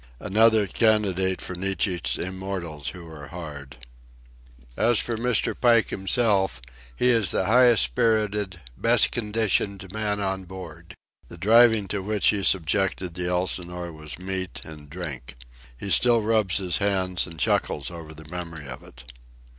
Another candidate for Nietzsche's immortals who are hard! As for Mr. Pike himself, he is the highest spirited, best conditioned man on board. The driving to which he subjected the Elsinore was meat and drink. He still rubs his hands and chuckles over the memory of it.